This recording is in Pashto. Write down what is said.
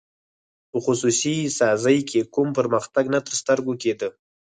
په خصوصي سازۍ کې کوم پرمختګ نه تر سترګو کېده.